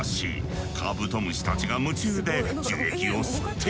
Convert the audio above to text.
カブトムシたちが夢中で樹液を吸っていると。